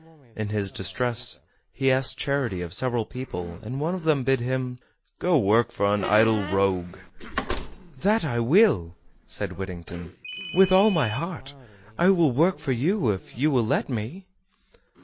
In his distress he asked charity of several people, and one of them bid him "Go to work for an idle rogue." "That I will," said Whittington, "with all my heart; I will work for you if you will let me."